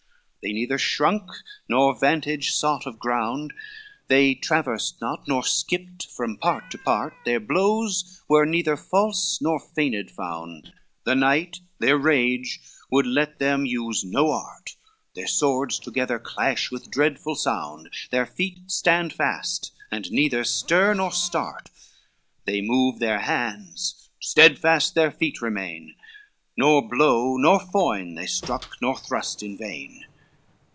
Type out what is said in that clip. LV They neither shrunk, nor vantage sought of ground, They traverse not, nor skipped from part to part, Their blows were neither false nor feigned found, The night, their rage would let them use no art, Their swords together clash with dreadful sound, Their feet stand fast, and neither stir nor start, They move their hands, steadfast their feet remain, Nor blow nor loin they struck, or thrust in vain.